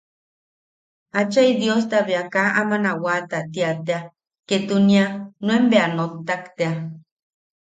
Achai Diosta bea kaa aman a wata tia tea, ketunia nuen bea a noktak tea.